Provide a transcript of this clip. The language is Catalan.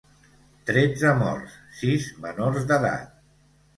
Tretze morts, sis menors d’edat.